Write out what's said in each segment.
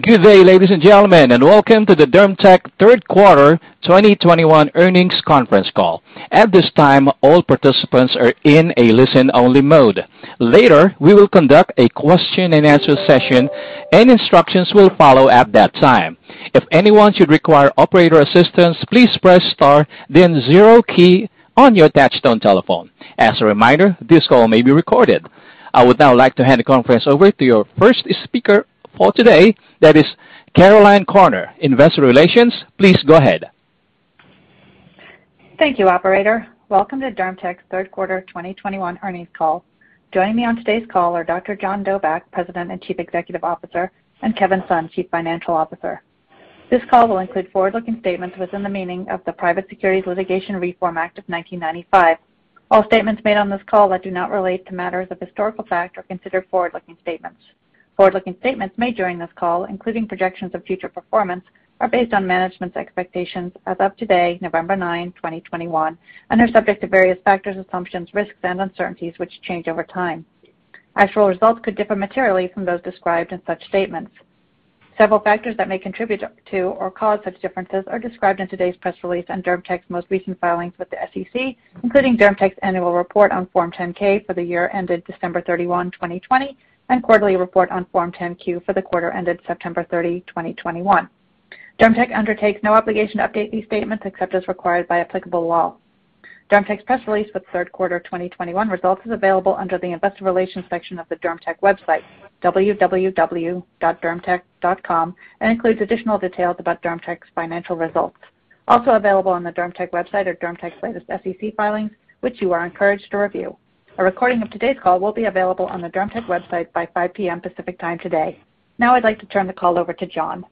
Good day, ladies and gentlemen, and welcome to the DermTech third quarter 2021 earnings conference call. At this time, all participants are in a listen-only mode. Later, we will conduct a question-and-answer session, and instructions will follow at that time. If anyone should require operator assistance, please press star, then zero key on your touchtone telephone. As a reminder, this call may be recorded. I would now like to hand the conference over to your first speaker for today. That is Caroline Corner, Investor Relations. Please go ahead. Thank you, Operator. Welcome to DermTech's third quarter 2021 earnings call. Joining me on today's call are Dr. John Dobak, President and Chief Executive Officer, and Kevin Sun, Chief Financial Officer. This call will include forward-looking statements within the meaning of the Private Securities Litigation Reform Act of 1995. All statements made on this call that do not relate to matters of historical fact are considered forward-looking statements. Forward-looking statements made during this call, including projections of future performance, are based on management's expectations as of today, November 9, 2021, and are subject to various factors, assumptions, risks, and uncertainties, which change over time. Actual results could differ materially from those described in such statements. Several factors that may contribute to or cause such differences are described in today's press release on DermTech's most recent filings with the SEC, including DermTech's annual report on Form 10-K for the year ended December 31, 2020, and quarterly report on Form 10-Q for the quarter ended September 30, 2021. DermTech undertakes no obligation to update these statements except as required by applicable law. DermTech's press release for the third quarter of 2021 results is available under the Investor Relations section of the DermTech website, www.dermtech.com, and includes additional details about DermTech's financial results. Also available on the DermTech website are DermTech's latest SEC filings, which you are encouraged to review. A recording of today's call will be available on the DermTech website by 5:00 P.M. Pacific Time today. Now I'd like to turn the call over to John.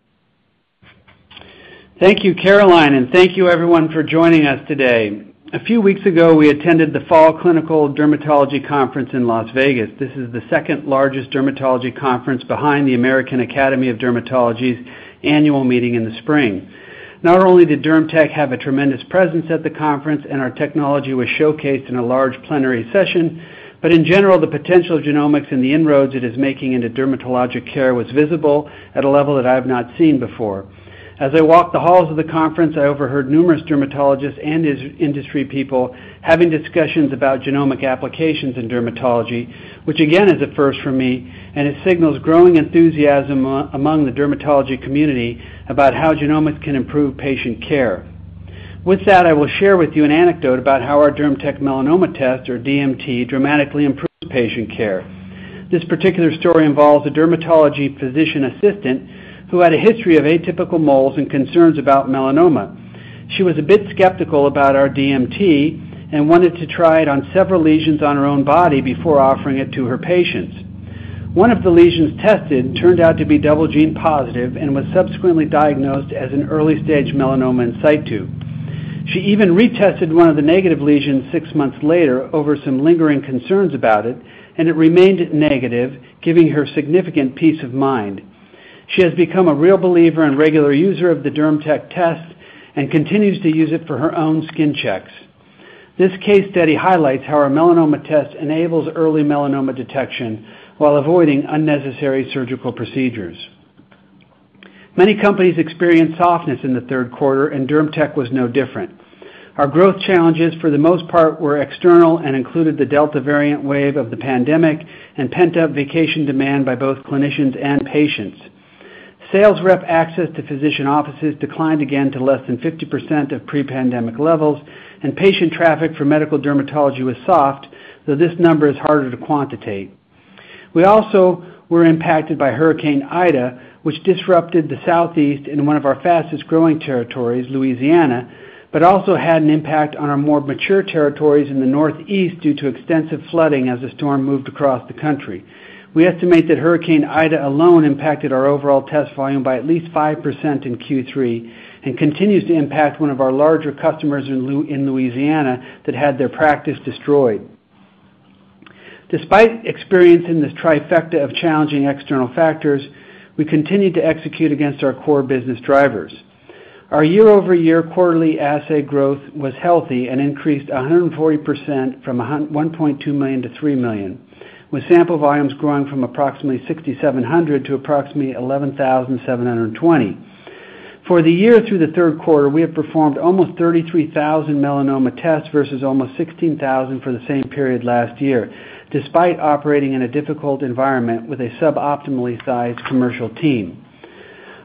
Thank you, Caroline, and thank you everyone for joining us today. A few weeks ago, we attended the Fall Clinical Dermatology Conference in Las Vegas. This is the second-largest dermatology conference behind the American Academy of Dermatology's annual meeting in the spring. Not only did DermTech have a tremendous presence at the conference, and our technology was showcased in a large plenary session, but in general, the potential of genomics and the inroads it is making into dermatologic care was visible at a level that I have not seen before. As I walked the halls of the conference, I overheard numerous dermatologists and industry people having discussions about genomic applications in dermatology, which again, is a first for me, and it signals growing enthusiasm among the dermatology community about how genomics can improve patient care. With that, I will share with you an anecdote about how our DermTech Melanoma Test, or DMT, dramatically improves patient care. This particular story involves a dermatology physician assistant who had a history of atypical moles and concerns about melanoma. She was a bit skeptical about our DMT and wanted to try it on several lesions on her own body before offering it to her patients. One of the lesions tested turned out to be double gene positive and was subsequently diagnosed as an early-stage melanoma in situ. She even retested one of the negative lesions six months later over some lingering concerns about it, and it remained negative, giving her significant peace of mind. She has become a real believer and regular user of the DermTech Test and continues to use it for her own skin checks. This case study highlights how our melanoma test enables early melanoma detection while avoiding unnecessary surgical procedures. Many companies experienced softness in the third quarter, and DermTech was no different. Our growth challenges, for the most part, were external and included the Delta variant wave of the pandemic and pent-up vacation demand by both clinicians and patients. Sales rep access to physician offices declined again to less than 50% of pre-pandemic levels, and patient traffic for medical dermatology was soft, though this number is harder to quantitate. We also were impacted by Hurricane Ida, which disrupted the Southeast in one of our fastest-growing territories, Louisiana, but also had an impact on our more mature territories in the Northeast due to extensive flooding as the storm moved across the country. We estimate that Hurricane Ida alone impacted our overall test volume by at least 5% in Q3 and continues to impact one of our larger customers in Louisiana that had their practice destroyed. Despite experiencing this trifecta of challenging external factors, we continued to execute against our core business drivers. Our year-over-year quarterly assay growth was healthy and increased 140% from 1.2 million to 3 million, with sample volumes growing from approximately 6,700 to approximately 11,720. For the year through the third quarter, we have performed almost 33,000 melanoma tests versus almost 16,000 for the same period last year, despite operating in a difficult environment with a sub-optimally sized commercial team.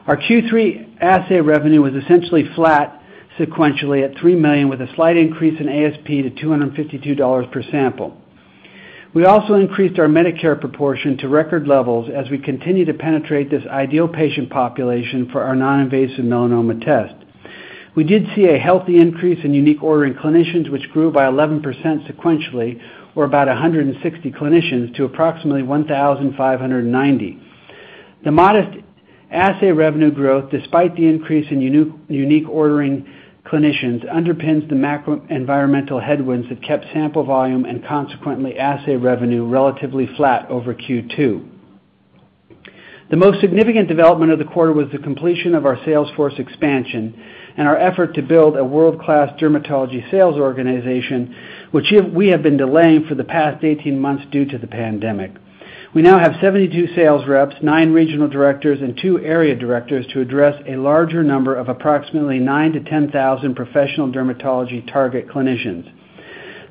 Our Q3 assay revenue was essentially flat sequentially at 3 million, with a slight increase in ASP to $252 per sample. We also increased our Medicare proportion to record levels as we continue to penetrate this ideal patient population for our non-invasive melanoma test. We did see a healthy increase in unique ordering clinicians, which grew by 11% sequentially, or about 160 clinicians, to approximately 1,590. The modest assay revenue growth, despite the increase in unique ordering clinicians, underpins the macro environmental headwinds that kept sample volume and consequently assay revenue relatively flat over Q2. The most significant development of the quarter was the completion of our sales force expansion and our effort to build a world-class dermatology sales organization, which we have been delaying for the past 18 months due to the pandemic. We now have 72 sales reps, nine regional directors, and two area directors to address a larger number of approximately 9,000 to 10,000 professional dermatology target clinicians.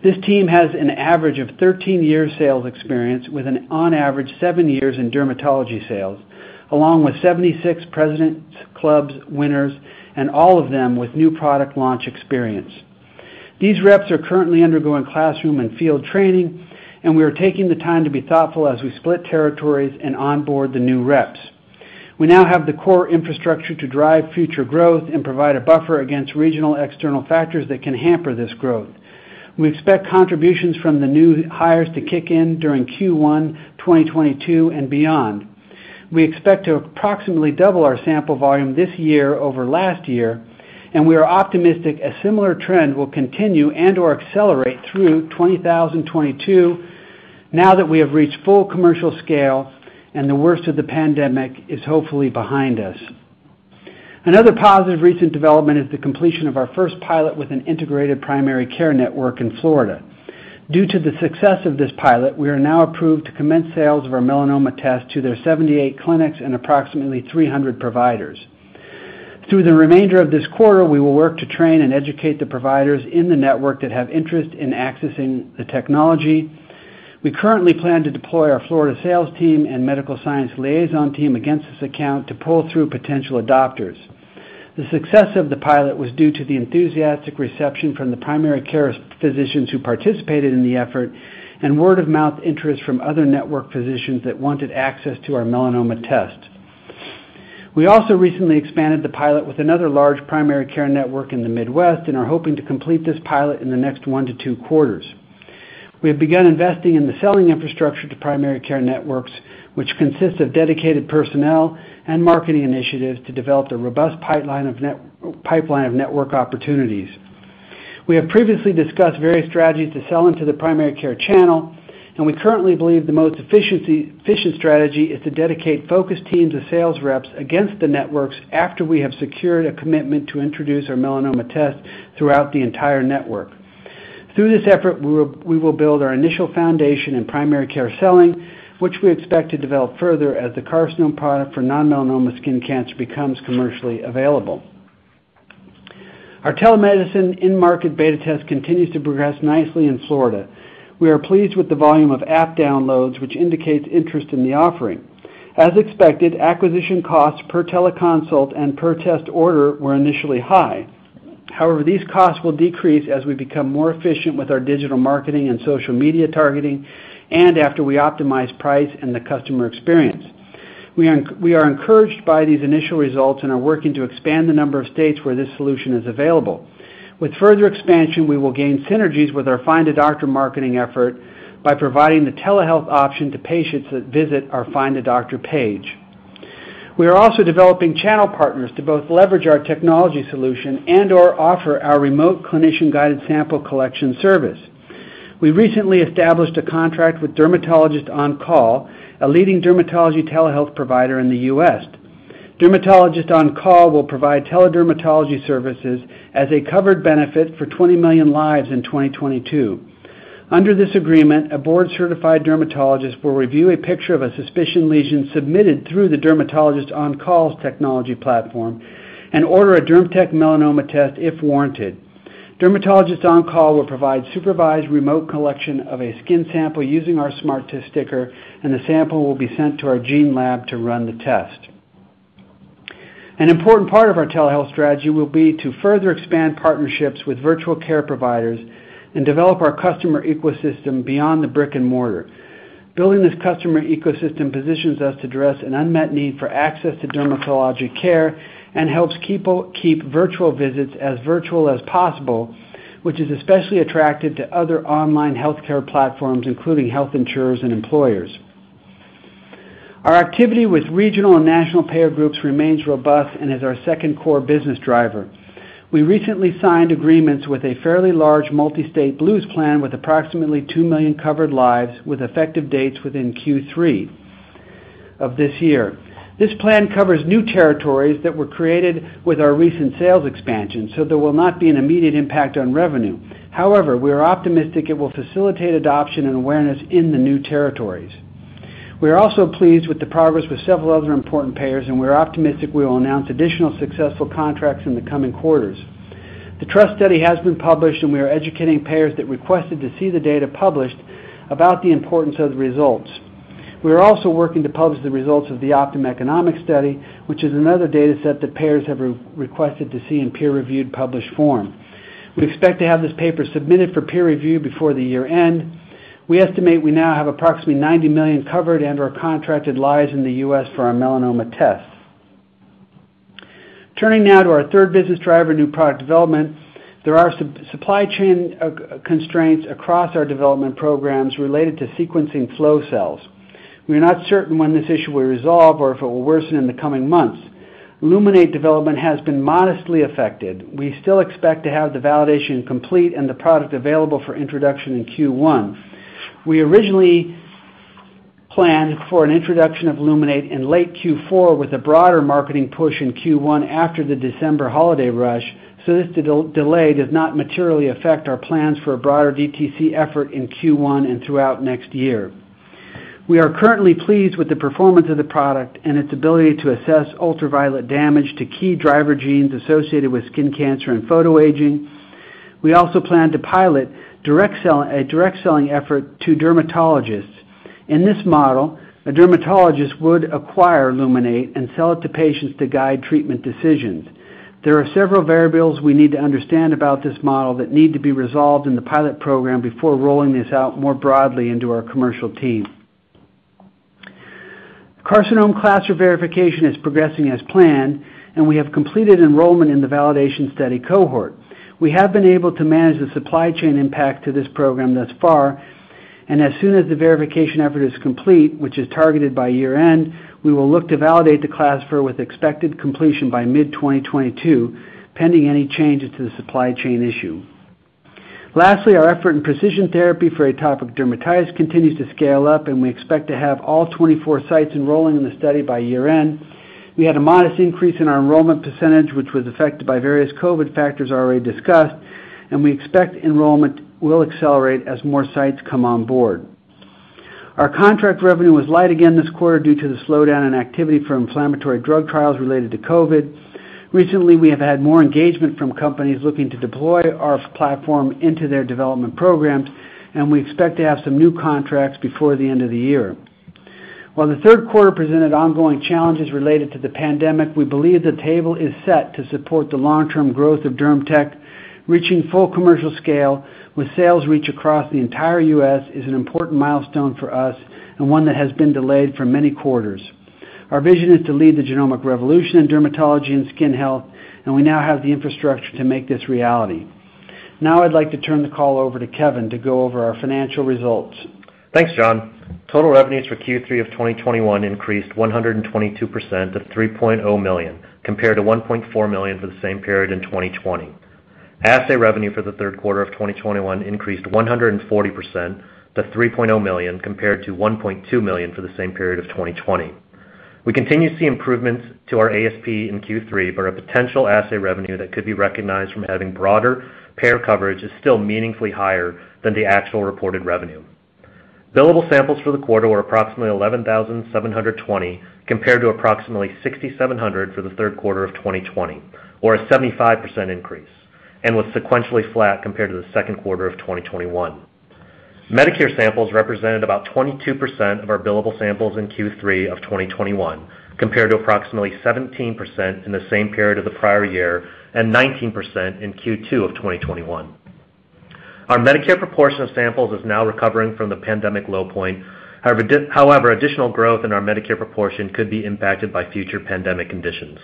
This team has an average of 13 years sales experience with an average of seven years in dermatology sales, along with 76 President's Club winners and all of them with new product launch experience. These reps are currently undergoing classroom and field training, and we are taking the time to be thoughtful as we split territories and onboard the new reps. We now have the core infrastructure to drive future growth and provide a buffer against regional external factors that can hamper this growth. We expect contributions from the new hires to kick in during Q1 2022 and beyond. We expect to approximately double our sample volume this year over last year, and we are optimistic a similar trend will continue and/or accelerate through 2022 now that we have reached full commercial scale and the worst of the pandemic is hopefully behind us. Another positive recent development is the completion of our first pilot with an integrated primary care network in Florida. Due to the success of this pilot, we are now approved to commence sales of our melanoma test to their 78 clinics and approximately 300 providers. Through the remainder of this quarter, we will work to train and educate the providers in the network that have interest in accessing the technology. We currently plan to deploy our Florida sales team and medical science liaison team against this account to pull through potential adopters. The success of the pilot was due to the enthusiastic reception from the primary care physicians who participated in the effort and word of mouth interest from other network physicians that wanted access to our melanoma test. We also recently expanded the pilot with another large primary care network in the Midwest and are hoping to complete this pilot in the next one to two quarters. We have begun investing in the selling infrastructure to primary care networks, which consists of dedicated personnel and marketing initiatives to develop a robust pipeline of network opportunities. We have previously discussed various strategies to sell into the primary care channel, and we currently believe the most efficient strategy is to dedicate focused teams of sales reps against the networks after we have secured a commitment to introduce our melanoma test throughout the entire network. Through this effort, we will build our initial foundation in primary care selling, which we expect to develop further as the Carcinoma product for non-melanoma skin cancer becomes commercially available. Our telemedicine in-market beta test continues to progress nicely in Florida. We are pleased with the volume of app downloads, which indicates interest in the offering. As expected, acquisition costs per teleconsult and per test order were initially high. However, these costs will decrease as we become more efficient with our digital marketing and social media targeting and after we optimize price and the customer experience. We are encouraged by these initial results and are working to expand the number of states where this solution is available. With further expansion, we will gain synergies with our Find a Doctor marketing effort by providing the telehealth option to patients that visit our Find a Doctor page. We are also developing channel partners to both leverage our technology solution and/or offer our remote clinician-guided sample collection service. We recently established a contract with DermatologistOnCall, a leading dermatology telehealth provider in the U.S. DermatologistOnCall will provide teledermatology services as a covered benefit for 20 million lives in 2022. Under this agreement, a board-certified dermatologist will review a picture of a suspicious lesion submitted through the DermatologistOnCall's technology platform and order a DermTech Melanoma Test if warranted. DermatologistOnCall will provide supervised remote collection of a skin sample using our Smart Sticker, and the sample will be sent to our Gene Lab to run the test. An important part of our telehealth strategy will be to further expand partnerships with virtual care providers and develop our customer ecosystem beyond the brick and mortar. Building this customer ecosystem positions us to address an unmet need for access to dermatologic care and helps keep virtual visits as virtual as possible, which is especially attractive to other online healthcare platforms, including health insurers and employers. Our activity with regional and national payer groups remains robust and is our second core business driver. We recently signed agreements with a fairly large multi-state Blues plan with approximately 2 million covered lives with effective dates within Q3 of this year. This plan covers new territories that were created with our recent sales expansion, so there will not be an immediate impact on revenue. However, we are optimistic it will facilitate adoption and awareness in the new territories. We are also pleased with the progress with several other important payers, and we are optimistic we will announce additional successful contracts in the coming quarters. The TRUST Study has been published, and we are educating payers that requested to see the data published about the importance of the results. We are also working to publish the results of the Optum economic study, which is another data set that payers have re-requested to see in peer-reviewed published form. We expect to have this paper submitted for peer review before the year-end. We estimate we now have approximately 90 million covered and/or contracted lives in the U.S. for our melanoma tests. Turning now to our third business driver, new product development. There are supply chain constraints across our development programs related to sequencing flow cells. We are not certain when this issue will resolve or if it will worsen in the coming months. Luminate development has been modestly affected. We still expect to have the validation complete and the product available for introduction in Q1. We originally planned for an introduction of Luminate in late Q4 with a broader marketing push in Q1 after the December holiday rush, so this delay does not materially affect our plans for a broader DTC effort in Q1 and throughout next year. We are currently pleased with the performance of the product and its ability to assess ultraviolet damage to key driver genes associated with skin cancer and photoaging. We also plan to pilot a direct selling effort to dermatologists. In this model, a dermatologist would acquire Luminate and sell it to patients to guide treatment decisions. There are several variables we need to understand about this model that need to be resolved in the pilot program before rolling this out more broadly into our commercial team. Carcinoma CLASPER verification is progressing as planned, and we have completed enrollment in the validation study cohort. We have been able to manage the supply chain impact to this program thus far and as soon as the verification effort is complete, which is targeted by year-end, we will look to validate the CLASPER with expected completion by mid-2022, pending any changes to the supply chain issue. Lastly, our effort in precision therapy for atopic dermatitis continues to scale up, and we expect to have all 24 sites enrolling in the study by year-end. We had a modest increase in our enrollment percentage, which was affected by various COVID factors already discussed, and we expect enrollment will accelerate as more sites come on board. Our contract revenue was light again this quarter due to the slowdown in activity for inflammatory drug trials related to COVID. Recently, we have had more engagement from companies looking to deploy our platform into their development programs, and we expect to have some new contracts before the end of the year. While the third quarter presented ongoing challenges related to the pandemic, we believe the table is set to support the long-term growth of DermTech. Reaching full commercial scale with sales reach across the entire U.S. is an important milestone for us, and one that has been delayed for many quarters. Our vision is to lead the genomic revolution in dermatology and skin health, and we now have the infrastructure to make this reality. Now I'd like to turn the call over to Kevin to go over our financial results. Thanks, John. Total revenues for Q3 of 2021 increased 122% to $3.0 million, compared to $1.4 million for the same period in 2020. Assay revenue for the third quarter of 2021 increased 140% to $3.0 million, compared to $1.2 million for the same period of 2020. We continue to see improvements to our ASP in Q3, but our potential assay revenue that could be recognized from having broader payer coverage is still meaningfully higher than the actual reported revenue. Billable samples for the quarter were approximately 11,720, compared to approximately 6,700 for the third quarter of 2020, or a 75% increase, and was sequentially flat compared to the second quarter of 2021. Medicare samples represented about 22% of our billable samples in Q3 of 2021, compared to approximately 17% in the same period of the prior year and 19% in Q2 of 2021. Our Medicare proportion of samples is now recovering from the pandemic low point. However, however, additional growth in our Medicare proportion could be impacted by future pandemic conditions.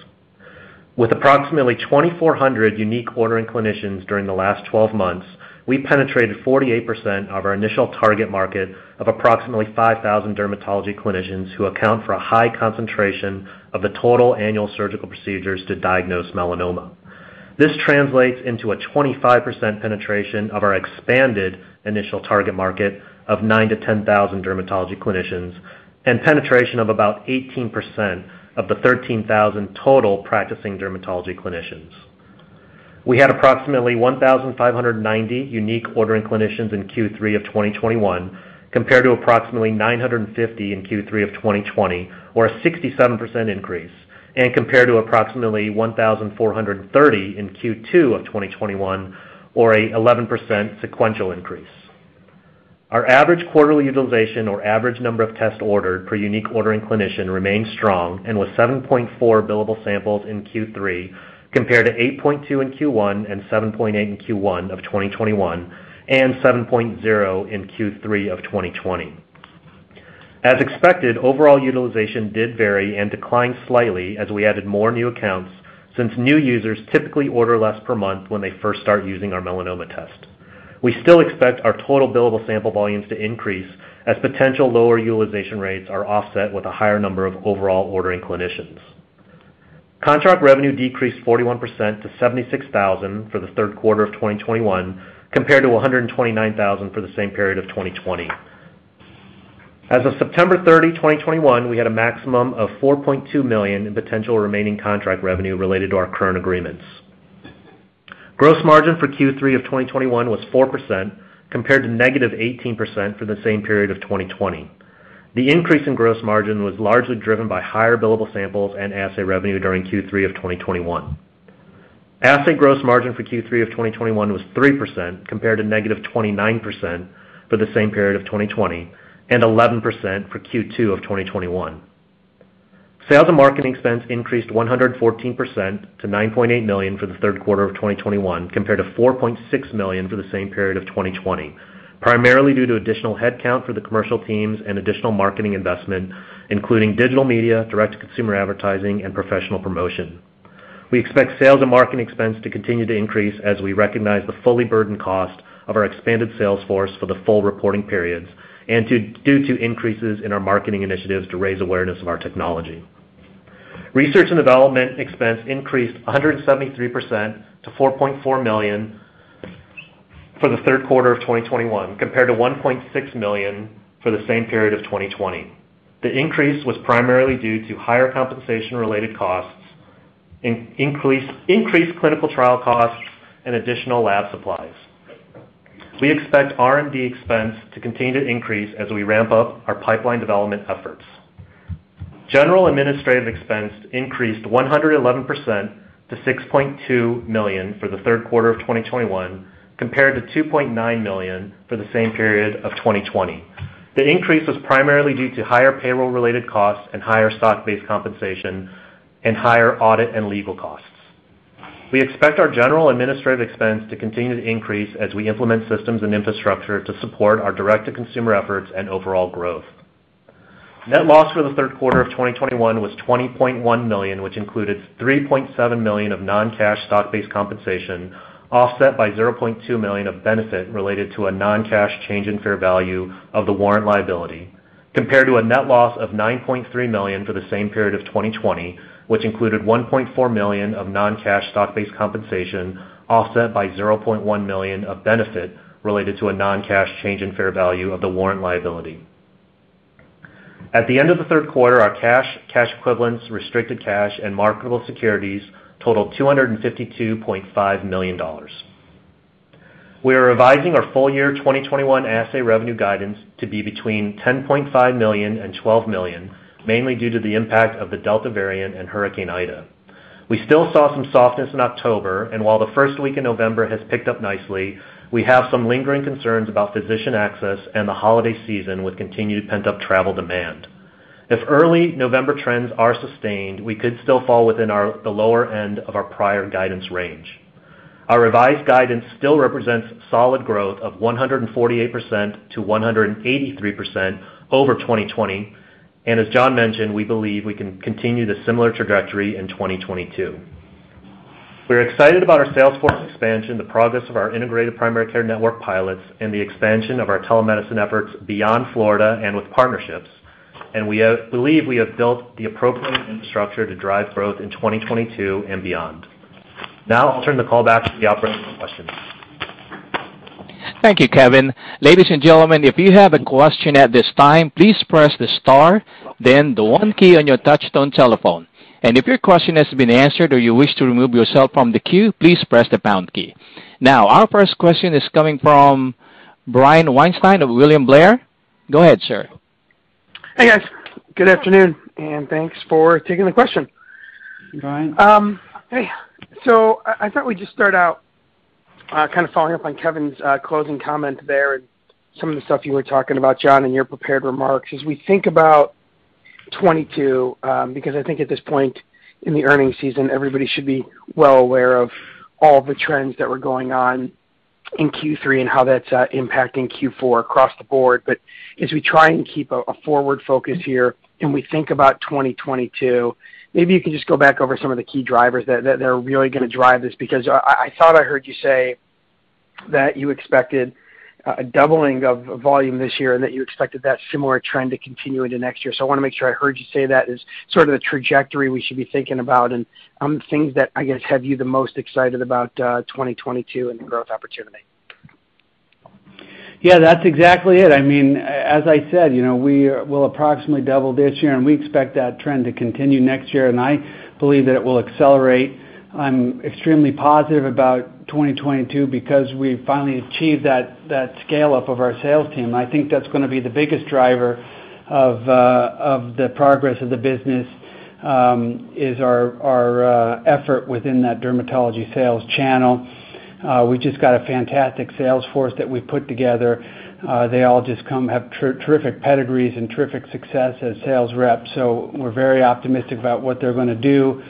With approximately 2,400 unique ordering clinicians during the last twelve months, we penetrated 48% of our initial target market of approximately 5,000 dermatology clinicians who account for a high concentration of the total annual surgical procedures to diagnose melanoma. This translates into a 25% penetration of our expanded initial target market of 9,000 to 10,000 dermatology clinicians and penetration of about 18% of the 13,000 total practicing dermatology clinicians. We had approximately 1,590 unique ordering clinicians in Q3 of 2021, compared to approximately 950 in Q3 of 2020, or a 67% increase, and compared to approximately 1,430 in Q2 of 2021, or an 11% sequential increase. Our average quarterly utilization or average number of tests ordered per unique ordering clinician remained strong and was 7.4 billable samples in Q3, compared to 8.2 in Q1 and 7.8 in Q1 of 2021, and 7.0 in Q3 of 2020. As expected, overall utilization did vary and declined slightly as we added more new accounts, since new users typically order less per month when they first start using our melanoma test. We still expect our total billable sample volumes to increase as potential lower utilization rates are offset with a higher number of overall ordering clinicians. Contract revenue decreased 41% to $76,000 for the third quarter of 2021, compared to $129,000 for the same period of 2020. As of September 30, 2021, we had a maximum of $4.2 million in potential remaining contract revenue related to our current agreements. Gross margin for Q3 of 2021 was 4%, compared to -18% for the same period of 2020. The increase in gross margin was largely driven by higher billable samples and assay revenue during Q3 of 2021. Assay gross margin for Q3 of 2021 was 3%, compared to -29% for the same period of 2020 and 11% for Q2 of 2021. Sales and marketing expense increased 114% to $9.8 million for the third quarter of 2021, compared to $4.6 million for the same period of 2020, primarily due to additional headcount for the commercial teams and additional marketing investment, including digital media, direct-to-consumer advertising, and professional promotion. We expect sales and marketing expense to continue to increase as we recognize the fully burdened cost of our expanded sales force for the full reporting periods due to increases in our marketing initiatives to raise awareness of our technology. Research and development expense increased 173% to $4.4 million for the third quarter of 2021, compared to $1.6 million for the same period of 2020. The increase was primarily due to higher compensation-related costs, increased clinical trial costs and additional lab supplies. We expect R&D expense to continue to increase as we ramp up our pipeline development efforts. General administrative expense increased 111% to $6.2 million for the third quarter of 2021 compared to $2.9 million for the same period of 2020. The increase was primarily due to higher payroll-related costs and higher stock-based compensation and higher audit and legal costs. We expect our general administrative expense to continue to increase as we implement systems and infrastructure to support our direct-to-consumer efforts and overall growth. Net loss for the third quarter of 2021 was $20.1 million, which included $3.7 million of non-cash stock-based compensation, offset by $0.2 million of benefit related to a non-cash change in fair value of the warrant liability, compared to a net loss of $9.3 million for the same period of 2020, which included $1.4 million of non-cash stock-based compensation, offset by $0.1 million of benefit related to a non-cash change in fair value of the warrant liability. At the end of the third quarter, our cash equivalents, restricted cash, and marketable securities totaled $252.5 million. We are revising our full-year 2021 assay revenue guidance to be between $10.5 million and $12 million, mainly due to the impact of the Delta variant and Hurricane Ida. We still saw some softness in October, and while the first week of November has picked up nicely, we have some lingering concerns about physician access and the holiday season with continued pent-up travel demand. If early November trends are sustained, we could still fall within the lower end of our prior guidance range. Our revised guidance still represents solid growth of 148%-183% over 2020. As John mentioned, we believe we can continue the similar trajectory in 2022. We're excited about our sales force expansion, the progress of our integrated primary care network pilots, and the expansion of our telemedicine efforts beyond Florida and with partnerships. We believe we have built the appropriate infrastructure to drive growth in 2022 and beyond. Now I'll turn the call back to the operator for questions. Thank you, Kevin. Ladies and gentlemen, if you have a question at this time, please press the star, then the one key on your touchtone telephone. If your question has been answered or you wish to remove yourself from the queue, please press the pound key. Now our first question is coming from Brian Weinstein of William Blair. Go ahead, sir. Hey, guys. Good afternoon, and thanks for taking the question. Brian. Hey. I thought we'd just start out kind of following up on Kevin's closing comment there and some of the stuff you were talking about, John, in your prepared remarks. As we think about 2022, because I think at this point in the earnings season, everybody should be well aware of all the trends that were going on in Q3 and how that's impacting Q4 across the board. As we try and keep a forward focus here and we think about 2022, maybe you can just go back over some of the key drivers that are really gonna drive this because I thought I heard you say that you expected a doubling of volume this year and that you expected that similar trend to continue into next year. I wanna make sure I heard you say that as sort of the trajectory we should be thinking about and things that, I guess, have you the most excited about 2022 and the growth opportunity. Yeah, that's exactly it. I mean, as I said, you know, we'll approximately double this year, and we expect that trend to continue next year. I believe that it will accelerate. I'm extremely positive about 2022 because we finally achieved that scale-up of our sales team. I think that's gonna be the biggest driver of the progress of the business is our effort within that dermatology sales channel. We just got a fantastic sales force that we've put together. They all have terrific pedigrees and terrific success as sales reps. We're very optimistic about what they're gonna do.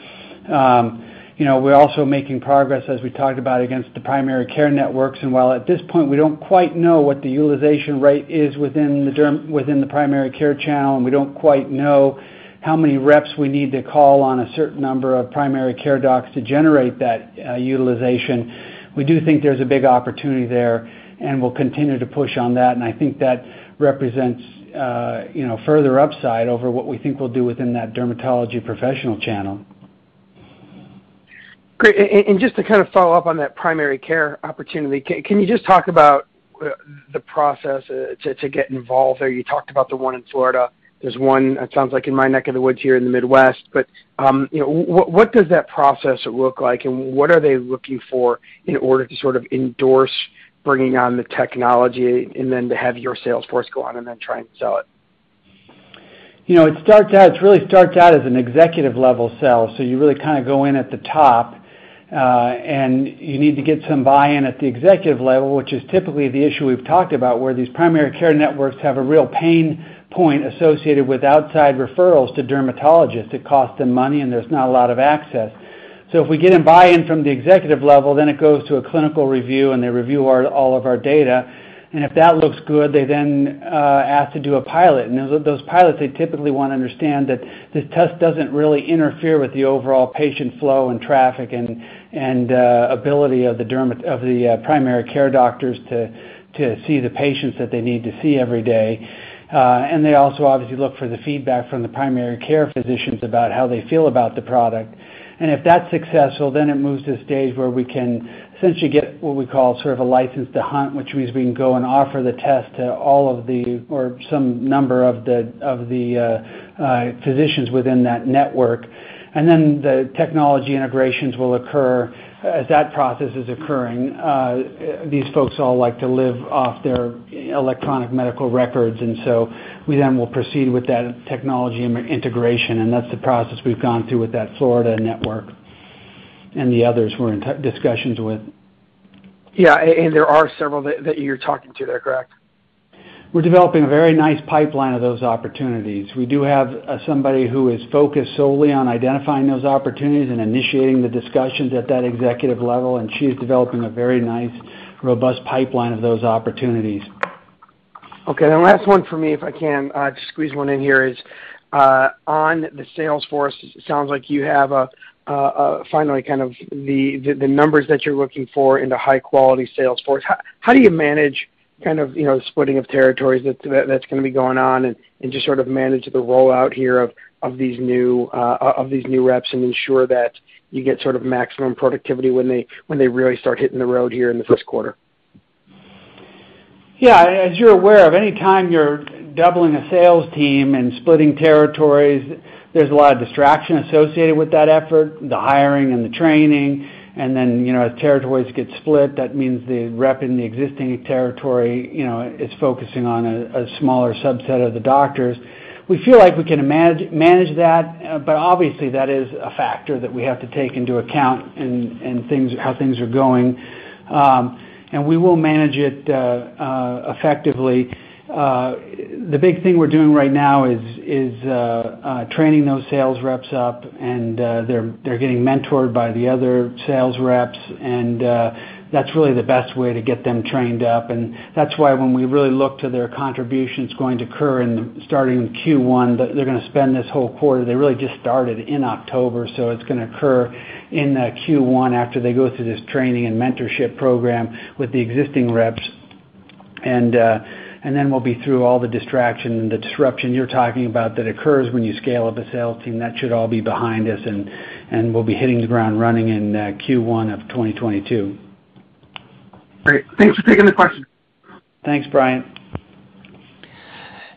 You know, we're also making progress as we talked about against the primary care networks. While at this point, we don't quite know what the utilization rate is within the primary care channel, and we don't quite know how many reps we need to call on a certain number of primary care docs to generate that utilization, we do think there's a big opportunity there, and we'll continue to push on that. I think that represents, you know, further upside over what we think we'll do within that dermatology professional channel. Great. Just to kind of follow up on that primary care opportunity, can you just talk about the process to get involved there? You talked about the one in Florida. There's one, it sounds like in my neck of the woods here in the Midwest. You know, what does that process look like and what are they looking for in order to sort of endorse bringing on the technology and then to have your sales force go on and then try and sell it? You know, it starts out, it really starts out as an executive level sell. You really kind of go in at the top, and you need to get some buy-in at the executive level, which is typically the issue we've talked about, where these primary care networks have a real pain point associated with outside referrals to dermatologists. It costs them money, and there's not a lot of access. If we get a buy-in from the executive level, then it goes to a clinical review and they review our, all of our data. If that looks good, they then ask to do a pilot. Those pilots, they typically want to understand that the test doesn't really interfere with the overall patient flow and traffic and ability of the primary care doctors to To see the patients that they need to see every day. They also obviously look for the feedback from the primary care physicians about how they feel about the product. If that's successful, then it moves to stage where we can essentially get what we call sort of a license to hunt, which means we can go and offer the test to all of the or some number of the physicians within that network. The technology integrations will occur as that process is occurring. These folks all like to live off their electronic medical records, and so we then will proceed with that technology integration, and that's the process we've gone through with that Florida network and the others we're in discussions with. Yeah. There are several that you're talking to there, correct? We're developing a very nice pipeline of those opportunities. We do have somebody who is focused solely on identifying those opportunities and initiating the discussions at that executive level, and she is developing a very nice, robust pipeline of those opportunities. Okay. The last one for me, if I can just squeeze one in here, is on the sales force. It sounds like you have finally kind of the numbers that you're looking for in the high quality sales force. How do you manage kind of, you know, splitting of territories that's gonna be going on and just sort of manage the rollout here of these new reps and ensure that you get sort of maximum productivity when they really start hitting the road here in the first quarter? Yeah. As you're aware of, any time you're doubling a sales team and splitting territories, there's a lot of distraction associated with that effort, the hiring and the training. Then, you know, as territories get split, that means the rep in the existing territory, you know, is focusing on a smaller subset of the doctors. We feel like we can manage that. Obviously, that is a factor that we have to take into account in things, how things are going. We will manage it effectively. The big thing we're doing right now is training those sales reps up, and they're getting mentored by the other sales reps. That's really the best way to get them trained up. That's why when we really look to their contributions going to occur in starting Q1, that they're gonna spend this whole quarter. They really just started in October, so it's gonna occur in the Q1 after they go through this training and mentorship program with the existing reps. Then we'll be through all the distraction and the disruption you're talking about that occurs when you scale up a sales team. That should all be behind us and we'll be hitting the ground running in Q1 of 2022. Great. Thanks for taking the question. Thanks, Brian.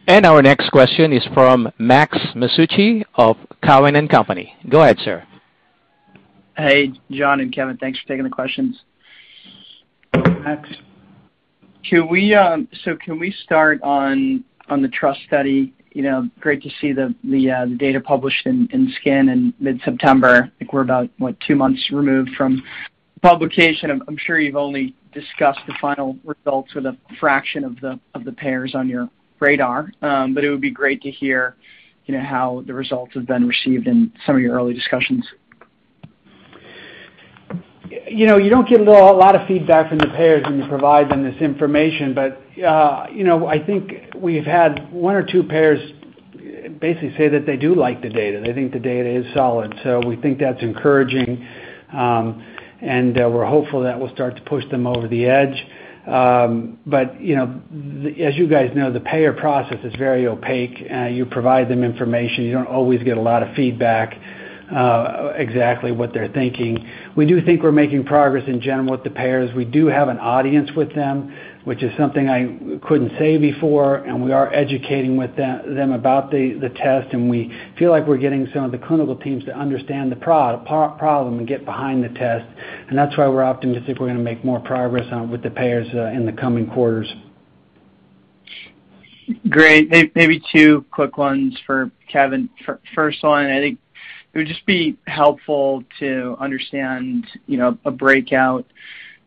Our next question is from Max Masucci of Cowen and Company. Go ahead, sir. Hey, John and Kevin. Thanks for taking the questions. Max. Can we start on the TRUST Study? Great to see the data published in SKIN in mid-September. I think we're about two months removed from publication. I'm sure you've only discussed the final results with a fraction of the payers on your radar. It would be great to hear how the results have been received in some of your early discussions. You know, you don't get a lot of feedback from the payers when you provide them this information. You know, I think we've had one or two payers basically say that they do like the data. They think the data is solid. We think that's encouraging, and we're hopeful that we'll start to push them over the edge. You know, as you guys know, the payer process is very opaque. You provide them information, you don't always get a lot of feedback exactly what they're thinking. We do think we're making progress in general with the payers. We do have an audience with them, which is something I couldn't say before, and we are educating them about the test, and we feel like we're getting some of the clinical teams to understand the problem and get behind the test. That's why we're optimistic we're gonna make more progress with the payers in the coming quarters. Great. Maybe two quick ones for Kevin. First one, I think it would just be helpful to understand, you know, a breakout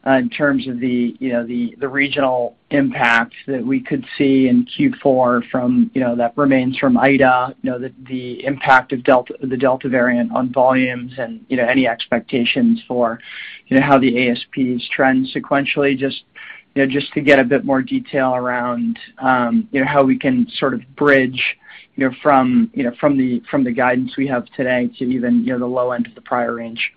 in terms of the regional impact that we could see in Q4 from, you know, the remnants from Ida. You know, the impact of the Delta variant on volumes and, you know, any expectations for, you know, how the ASPs trend sequentially, just, you know, to get a bit more detail around, you know, how we can sort of bridge, you know, from the guidance we have today to even, you know, the low end of the prior range.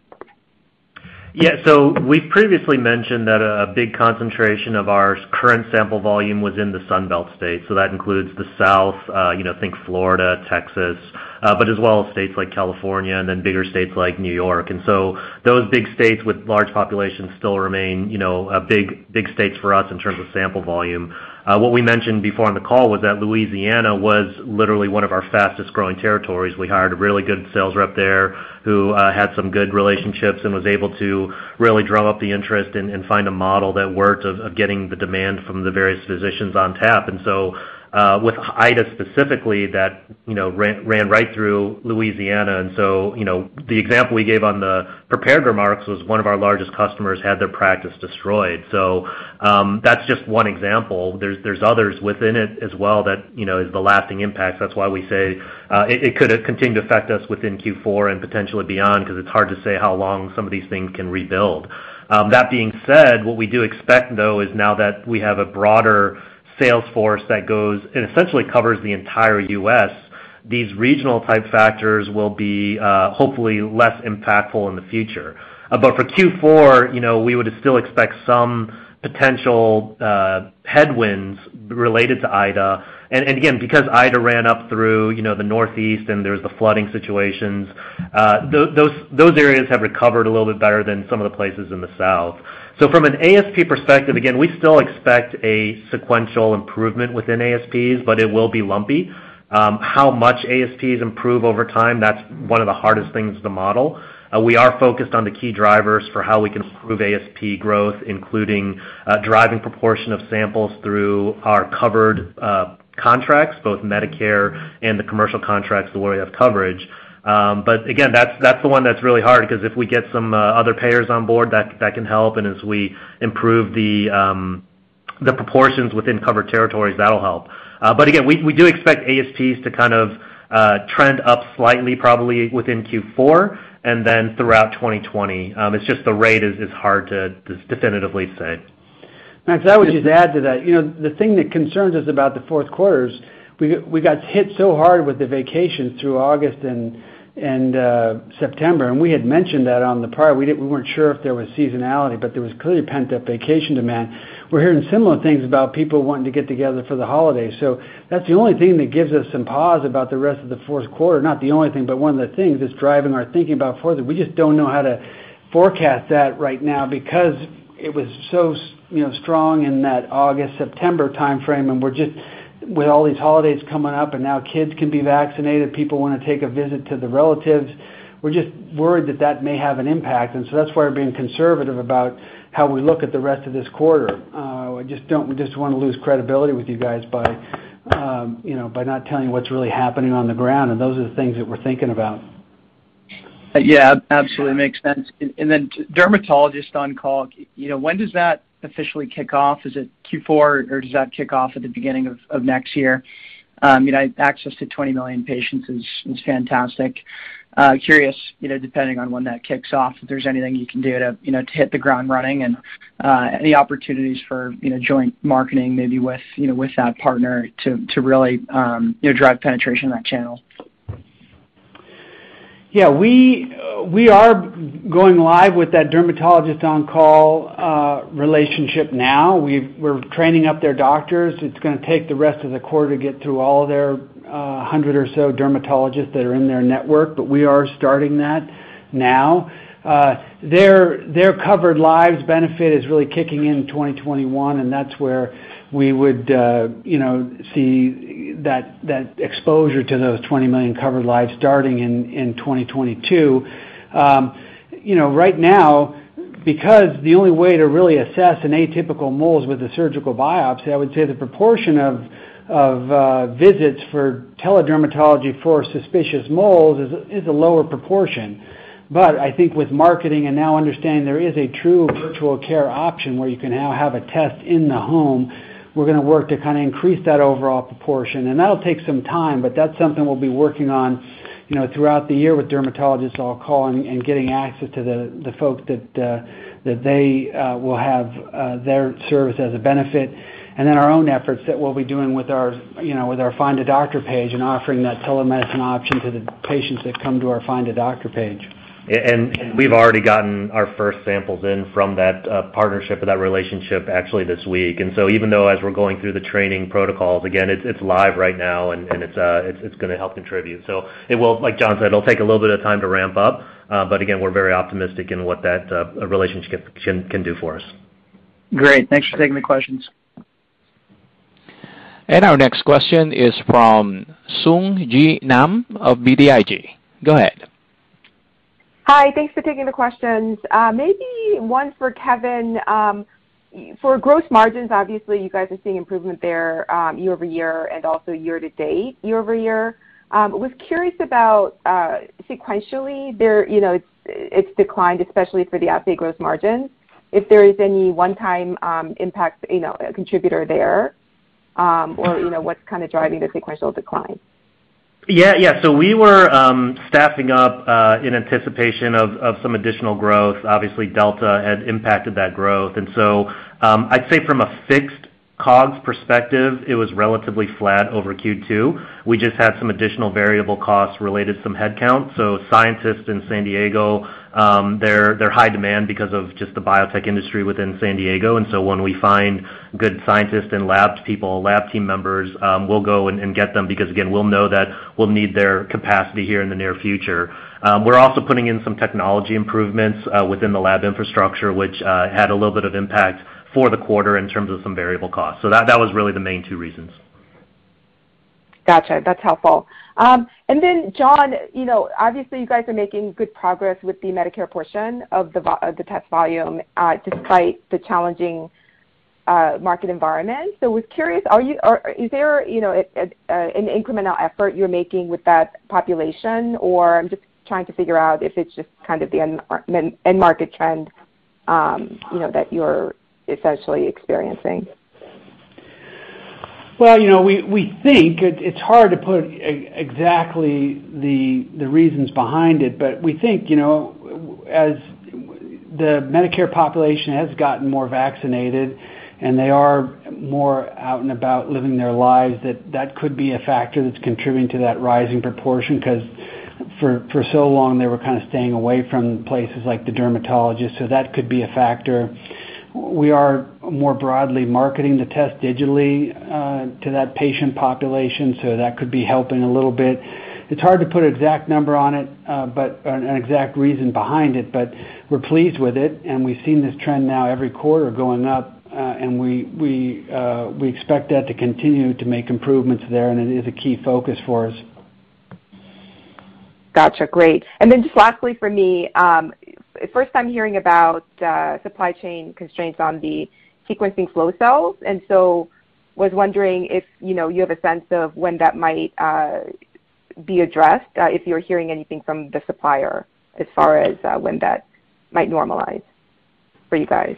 We've previously mentioned that a big concentration of our current sample volume was in the Sun Belt states. That includes the South, you know, think Florida, Texas, but as well as states like California and then bigger states like New York. Those big states with large populations still remain, you know, big states for us in terms of sample volume. What we mentioned before on the call was that Louisiana was literally one of our fastest-growing territories. We hired a really good sales rep there who had some good relationships and was able to really drum up the interest and find a model that worked of getting the demand from the various physicians on tap. With Ida specifically, that, you know, ran right through Louisiana. You know, the example we gave on the prepared remarks was one of our largest customers had their practice destroyed. That's just one example. There's others within it as well that, you know, is the lasting impact. That's why we say, it could continue to affect us within Q4 and potentially beyond, 'cause it's hard to say how long some of these things can rebuild. That being said, what we do expect, though, is now that we have a broader sales force that goes and essentially covers the entire U.S. These regional type factors will be hopefully less impactful in the future. For Q4, you know, we would still expect some potential headwinds related to Ida. Again, because Ida ran up through, you know, the Northeast and there was the flooding situations, those areas have recovered a little bit better than some of the places in the South. From an ASP perspective, again, we still expect a sequential improvement within ASPs, but it will be lumpy. How much ASPs improve over time, that's one of the hardest things to model. We are focused on the key drivers for how we can improve ASP growth, including driving proportion of samples through our covered contracts, both Medicare and the commercial contracts where we have coverage. Again, that's the one that's really hard, because if we get some other payers on board, that can help. As we improve the proportions within covered territories, that'll help. Again, we do expect ASPs to kind of trend up slightly, probably within Q4 and then throughout 2020. It's just the rate is hard to definitively say. Max, I would just add to that. You know, the thing that concerns us about the fourth quarter is we got hit so hard with the vacations through August and September, and we had mentioned that on the prior. We weren't sure if there was seasonality, but there was clearly pent-up vacation demand. We're hearing similar things about people wanting to get together for the holidays. That's the only thing that gives us some pause about the rest of the fourth quarter. Not the only thing, but one of the things that's driving our thinking about fourth is we just don't know how to forecast that right now because it was so you know, strong in that August-September timeframe. We're just... With all these holidays coming up and now kids can be vaccinated, people wanna take a visit to the relatives, we're just worried that that may have an impact. That's why we're being conservative about how we look at the rest of this quarter. We just don't wanna lose credibility with you guys by, you know, by not telling you what's really happening on the ground, and those are the things that we're thinking about. Yeah, absolutely makes sense. DermatologistOnCall, you know, when does that officially kick off? Is it Q4, or does that kick off at the beginning of next year? You know, access to 20 million patients is fantastic. Curious, you know, depending on when that kicks off, if there's anything you can do to, you know, to hit the ground running and any opportunities for, you know, joint marketing maybe with, you know, with that partner to really, you know, drive penetration in that channel. Yeah. We are going live with that DermatologistOnCall relationship now. We're training up their doctors. It's gonna take the rest of the quarter to get through all of their 100 or so dermatologists that are in their network, but we are starting that now. Their covered lives benefit is really kicking in in 2021, and that's where we would, you know, see that exposure to those 20 million covered lives starting in 2022. You know, right now, because the only way to really assess an atypical mole is with a surgical biopsy, I would say the proportion of visits for teledermatology for suspicious moles is a lower proportion. I think with marketing and now understanding there is a true virtual care option where you can now have a test in the home, we're gonna work to kinda increase that overall proportion. That'll take some time, but that's something we'll be working on, you know, throughout the year with DermatologistOnCall and getting access to the folks that they will have their service as a benefit. Then our own efforts that we'll be doing with our, you know, with our Find a Doctor page and offering that telemedicine option to the patients that come to our Find a Doctor page. We've already gotten our first samples in from that partnership or that relationship actually this week. Even though as we're going through the training protocols, again, it's live right now and it's gonna help contribute. It will, like John said, take a little bit of time to ramp up, but again, we're very optimistic in what that relationship can do for us. Great. Thanks for taking the questions. Our next question is from Sung Ji Nam of BTIG. Go ahead. Hi. Thanks for taking the questions. Maybe one for Kevin. For gross margins, obviously you guys are seeing improvement there, year-over-year and also year-to-date, year-over-year. Was curious about sequentially. You know, it's declined especially for the 50 gross margins. If there is any one-time impact, you know, contributor there, or, you know, what's kind of driving the sequential decline? We were staffing up in anticipation of some additional growth. Obviously, Delta had impacted that growth. I'd say from a fixed costs perspective, it was relatively flat over Q2. We just had some additional variable costs related to some headcount. Scientists in San Diego, they're in high demand because of just the biotech industry within San Diego. When we find good scientists and labs people, lab team members, we'll go and get them because, again, we'll know that we'll need their capacity here in the near future. We're also putting in some technology improvements within the lab infrastructure, which had a little bit of impact for the quarter in terms of some variable costs. That was really the main two reasons. Gotcha. That's helpful. John, you know, obviously you guys are making good progress with the Medicare portion of the test volume, despite the challenging market environment. I was curious, is there, you know, an incremental effort you're making with that population, or I'm just trying to figure out if it's just kind of the end market trend, you know, that you're essentially experiencing? Well, you know, we think it's hard to put exactly the reasons behind it. We think, you know, as the Medicare population has gotten more vaccinated and they are more out and about living their lives. That could be a factor that's contributing to that rising proportion 'cause for so long they were kind of staying away from places like the dermatologist. That could be a factor. We are more broadly marketing the test digitally to that patient population, so that could be helping a little bit. It's hard to put an exact number on it, but not an exact reason behind it, but we're pleased with it and we've seen this trend now every quarter going up. We expect that to continue to make improvements there and it is a key focus for us. Gotcha. Great. Just lastly for me, first time hearing about supply chain constraints on the sequencing flow cells, and so was wondering if you know, you have a sense of when that might be addressed, if you're hearing anything from the supplier as far as when that might normalize for you guys?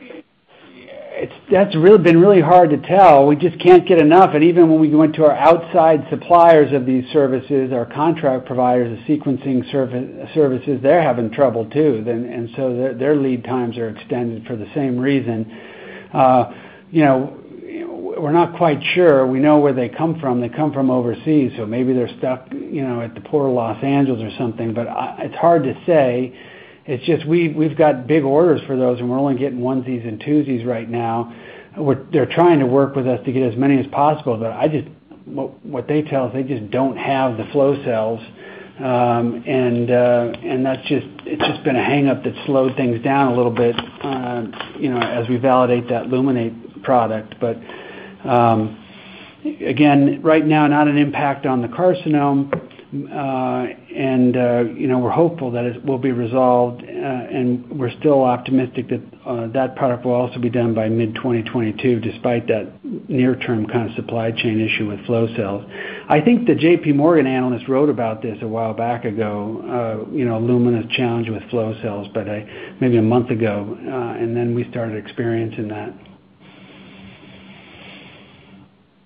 That's really been hard to tell. We just can't get enough. Even when we went to our outside suppliers of these services, our contract providers of sequencing services, they're having trouble too. Their lead times are extended for the same reason. You know, we're not quite sure. We know where they come from. They come from overseas, so maybe they're stuck, you know, at the Port of Los Angeles or something. It's hard to say. It's just we've got big orders for those and we're only getting onesies and twosies right now. They're trying to work with us to get as many as possible, but what they tell us, they just don't have the flow cells. It's just been a hang-up that slowed things down a little bit, you know, as we validate that Luminate product. Again, right now, not an impact on the Carcinoma. You know, we're hopeful that it will be resolved, and we're still optimistic that that product will also be done by mid-2022, despite that near-term kind of supply chain issue with flow cells. I think the JPMorgan analyst wrote about this a while back ago, you know, Illumina's challenge with flow cells, but maybe a month ago, and then we started experiencing that.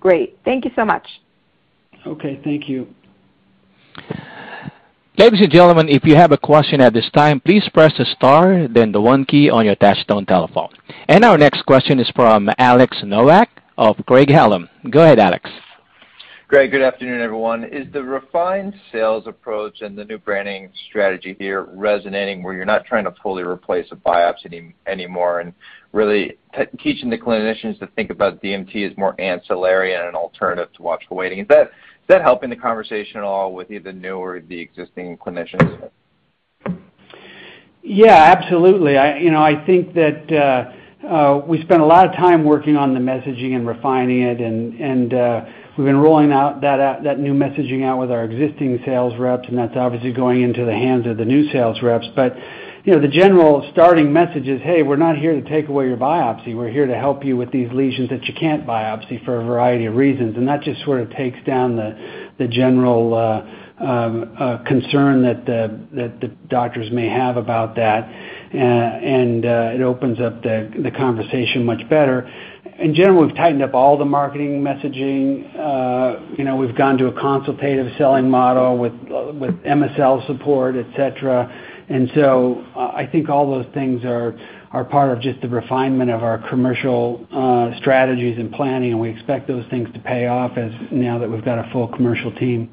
Great. Thank you so much. Okay. Thank you. Ladies and gentlemen if you have a question at this time please press star then the one key on your desktop telephone. And now our next question is from Alex Nowak of Craig-Hallum. Go ahead, Alex. Greg, good afternoon, everyone. Is the refined sales approach and the new branding strategy here resonating where you're not trying to fully replace a biopsy anymore and really teaching the clinicians to think about DMT as more ancillary and an alternative to watchful waiting? Is that helping the conversation at all with either new or the existing clinicians? Yeah, absolutely. You know, I think that we spent a lot of time working on the messaging and refining it and we've been rolling out that new messaging out with our existing sales reps, and that's obviously going into the hands of the new sales reps. You know, the general starting message is, "Hey, we're not here to take away your biopsy. We're here to help you with these lesions that you can't biopsy for a variety of reasons." That just sort of takes down the general concern that the doctors may have about that and it opens up the conversation much better. In general, we've tightened up all the marketing messaging. You know, we've gone to a consultative selling model with MSL support, et cetera. I think all those things are part of just the refinement of our commercial strategies and planning. We expect those things to pay off as now that we've got a full commercial team.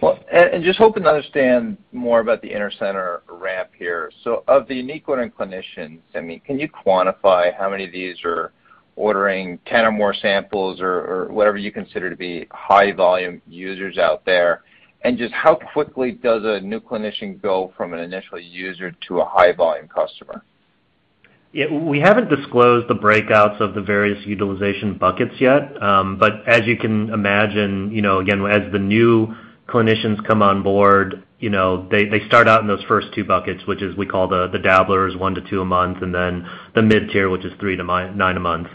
Well, just hoping to understand more about the Intercenter ramp here. Of the new ordering clinicians, I mean, can you quantify how many of these are ordering 10 or more samples or whatever you consider to be high volume users out there? Just how quickly does a new clinician go from an initial user to a high volume customer? Yeah. We haven't disclosed the breakouts of the various utilization buckets yet. But as you can imagine, you know, again, as the new clinicians come on board, you know, they start out in those first two buckets, which we call the dabblers, one to two a month, and then the mid-tier, which is three to nine a month.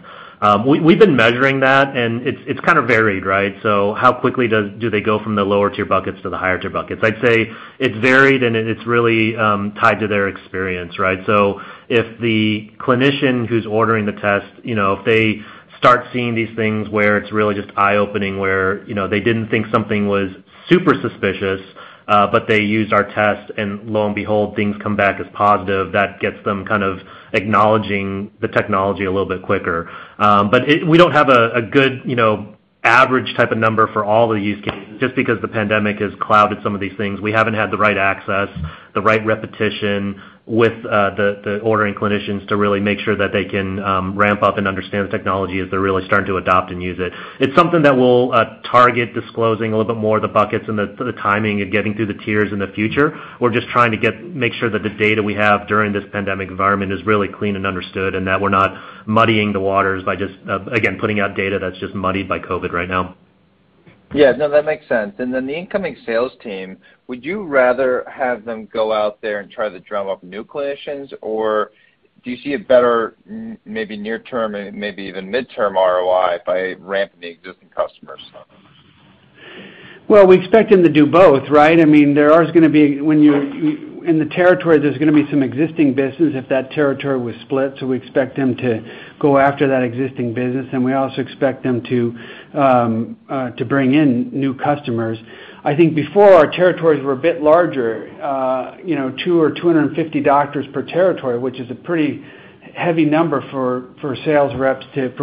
We've been measuring that and it's kinda varied, right? How quickly do they go from the lower tier buckets to the higher tier buckets? I'd say it's varied and it's really tied to their experience, right? If the clinician who's ordering the test, you know, if they start seeing these things where it's really just eye-opening, where, you know, they didn't think something was super suspicious, but they used our test and lo and behold things come back as positive, that gets them kind of acknowledging the technology a little bit quicker. We don't have a good, you know, average type of number for all the use cases just because the pandemic has clouded some of these things. We haven't had the right access, the right repetition with the ordering clinicians to really make sure that they can ramp up and understand the technology as they're really starting to adopt and use it. It's something that we'll target disclosing a little bit more of the buckets and the timing of getting through the tiers in the future. We're just trying to make sure that the data we have during this pandemic environment is really clean and understood, and that we're not muddying the waters by just, again, putting out data that's just muddied by COVID right now. Yeah. No, that makes sense. The incoming sales team, would you rather have them go out there and try to drum up new clinicians? Or do you see a better maybe near term and maybe even midterm ROI by ramping the existing customers? Well, we expect them to do both, right? I mean, in the territory, there's gonna be some existing business if that territory was split, so we expect them to go after that existing business, and we also expect them to bring in new customers. I think before our territories were a bit larger, you know, 200 or 250 doctors per territory, which is a pretty heavy number for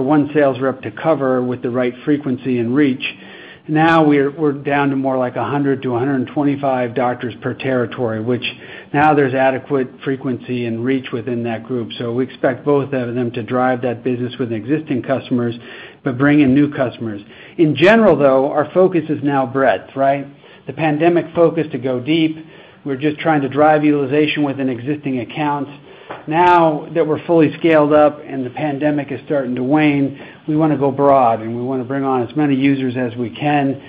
one sales rep to cover with the right frequency and reach. Now we're down to more like 100 to 125 doctors per territory, which now there's adequate frequency and reach within that group. We expect both of them to drive that business with existing customers, but bring in new customers. In general, though, our focus is now breadth, right? The pandemic focus to go deep. We're just trying to drive utilization within existing accounts. Now that we're fully scaled up and the pandemic is starting to wane, we wanna go broad, and we wanna bring on as many users as we can,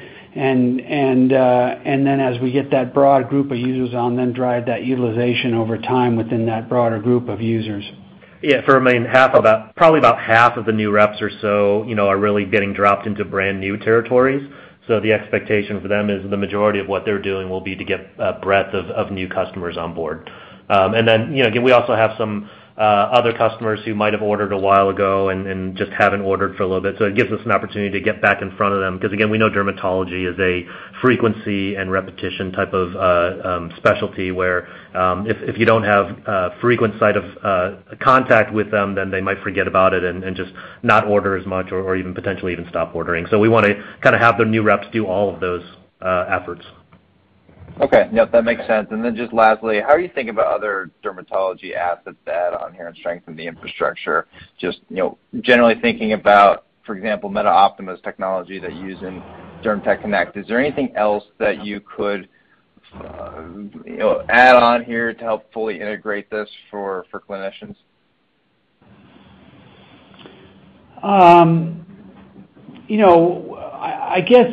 as we get that broad group of users on, then drive that utilization over time within that broader group of users. Yeah. For, I mean, half of that, probably about half of the new reps or so, you know, are really getting dropped into brand new territories. The expectation for them is the majority of what they're doing will be to get a breadth of new customers on board. You know, again, we also have some other customers who might have ordered a while ago and just haven't ordered for a little bit, so it gives us an opportunity to get back in front of them. 'Cause again, we know dermatology is a frequency and repetition type of specialty, where if you don't have frequent sight of contact with them, then they might forget about it and just not order as much or even potentially stop ordering. We wanna kinda have the new reps do all of those efforts. Okay. Yep, that makes sense. Just lastly, how are you thinking about other dermatology assets to add on here and strengthen the infrastructure? You know, generally thinking about, for example, MetaOptima's technology they use in DermTech Connect. Is there anything else that you could, you know, add on here to help fully integrate this for clinicians? You know, I guess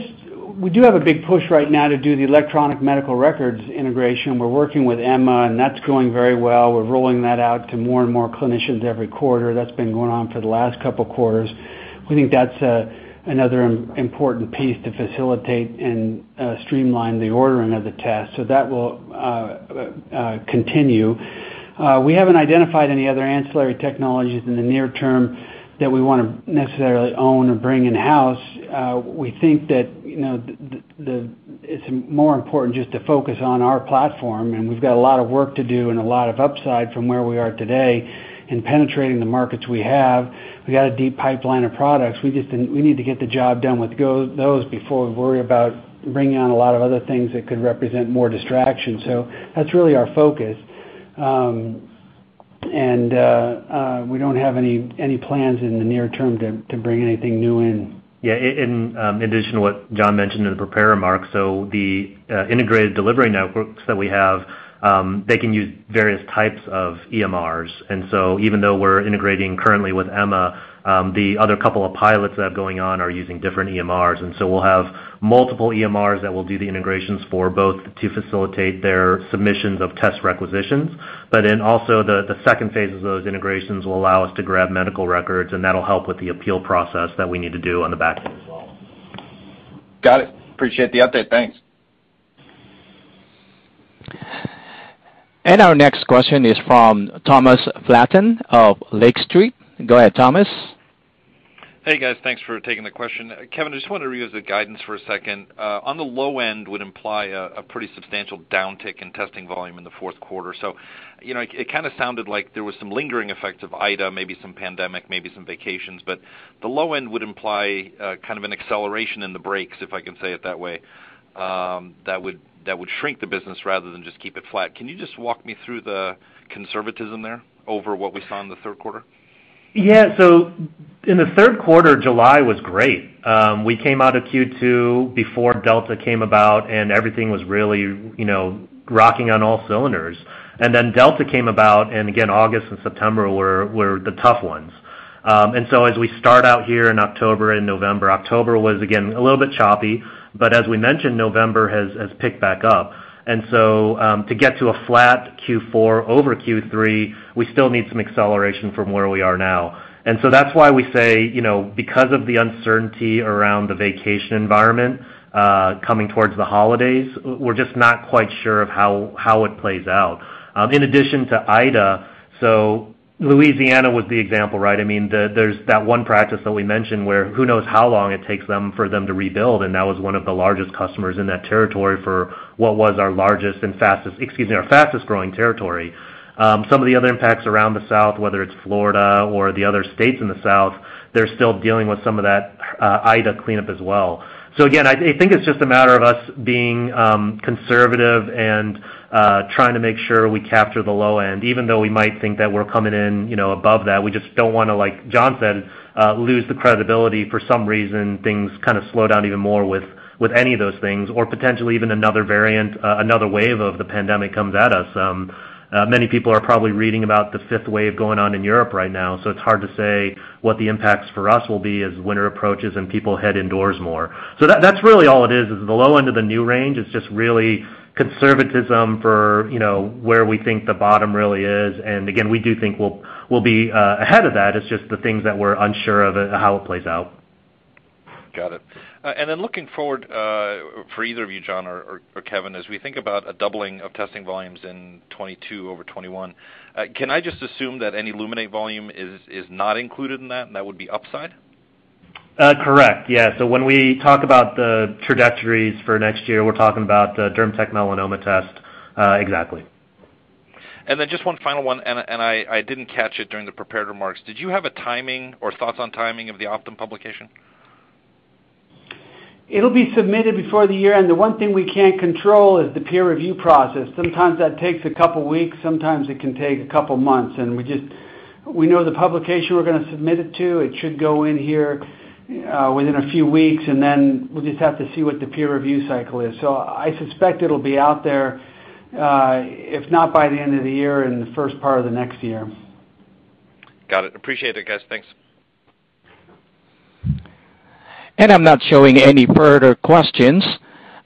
we do have a big push right now to do the electronic medical records integration. We're working with EMA, and that's going very well. We're rolling that out to more and more clinicians every quarter. That's been going on for the last couple quarters. We think that's another important piece to facilitate and streamline the ordering of the test. That will continue. We haven't identified any other ancillary technologies in the near term that we wanna necessarily own or bring in-house. We think that, you know, it's more important just to focus on our platform, and we've got a lot of work to do and a lot of upside from where we are today in penetrating the markets we have. We got a deep pipeline of products. We need to get the job done with those before we worry about bringing on a lot of other things that could represent more distraction. That's really our focus. We don't have any plans in the near term to bring anything new in. Yeah. In addition to what John mentioned in the prepared remarks, so the integrated delivery networks that we have, they can use various types of EMRs. Even though we're integrating currently with EMA, the other couple of pilots that are going on are using different EMRs. We'll have multiple EMRs that will do the integrations for both to facilitate their submissions of test requisitions. The second phase of those integrations will allow us to grab medical records, and that'll help with the appeal process that we need to do on the back end as well. Got it. Appreciate the update. Thanks. Our next question is from Thomas Flaten of Lake Street. Go ahead, Thomas. Hey, guys. Thanks for taking the question. Kevin, I just wanted to reuse the guidance for a second. On the low end would imply a pretty substantial downtick in testing volume in the fourth quarter. You know, it kinda sounded like there was some lingering effects of Ida, maybe some pandemic, maybe some vacations. The low end would imply kind of an acceleration in the breaks, if I can say it that way, that would shrink the business rather than just keep it flat. Can you just walk me through the conservatism there over what we saw in the third quarter? Yeah. In the third quarter, July was great. We came out of Q2 before Delta came about, and everything was really, you know, rocking on all cylinders. Then Delta came about, and again, August and September were the tough ones. As we start out here in October and November, October was again a little bit choppy, but as we mentioned, November has picked back up. To get to a flat Q4 over Q3, we still need some acceleration from where we are now. That's why we say, you know, because of the uncertainty around the vacation environment coming towards the holidays, we're just not quite sure of how it plays out. In addition to Ida, so Louisiana was the example, right? I mean, there's that one practice that we mentioned where who knows how long it takes them for them to rebuild, and that was one of the largest customers in that territory for our fastest growing territory. Some of the other impacts around the South, whether it's Florida or the other states in the South, they're still dealing with some of that, Ida cleanup as well. Again, I think it's just a matter of us being conservative and trying to make sure we capture the low end. Even though we might think that we're coming in, you know, above that, we just don't wanna, like John said, lose the credibility for some reason, things kinda slow down even more with any of those things or potentially even another variant, another wave of the pandemic comes at us. Many people are probably reading about the fifth wave going on in Europe right now, so it's hard to say what the impacts for us will be as winter approaches and people head indoors more. That's really all it is the low end of the new range. It's just really conservatism for, you know, where we think the bottom really is. Again, we do think we'll be ahead of that. It's just the things that we're unsure of and how it plays out. Got it. Then looking forward, for either of you, John or Kevin, as we think about a doubling of testing volumes in 2022 over 2021, can I just assume that any Luminate volume is not included in that and that would be upside? That is correct. Yeah, so when we talk about the trajectories for next year, we're talking about the DermTech Melanoma Test. Exactly. Just one final one, and I didn't catch it during the prepared remarks. Did you have a timing or thoughts on timing of the Optum publication? It'll be submitted before the year-end. The one thing we can't control is the peer review process. Sometimes that takes a couple weeks, sometimes it can take a couple months. We know the publication we're gonna submit it to. It should go in here, within a few weeks, and then we'll just have to see what the peer review cycle is. I suspect it'll be out there, if not by the end of the year, in the first part of the next year. Got it. Appreciate it, guys. Thanks. I'm not showing any further questions.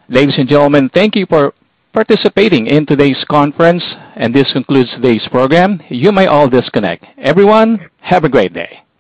Ladies and gentlemen, thank you for participating in today's conference, and this concludes today's program. You may all disconnect. Everyone, have a great day.